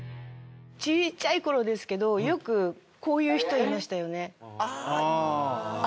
ちいちゃい頃ですけどよくこういう人いましたよね。